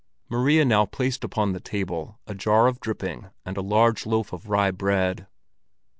Maria now placed upon the table a jar of dripping and a large loaf of rye bread.